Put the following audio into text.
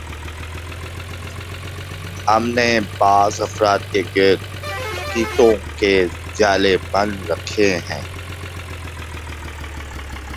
ہم نے بعض افراد کے گرد عقیدتوں کے جالے بن رکھے ہیں۔